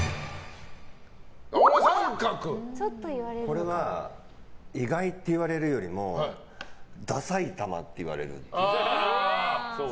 これは意外って言われるよりもダサいたまっていわれる。